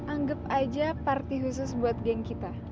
anggap aja party khusus buat geng kita